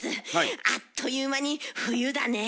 あっという間に冬だねぇ。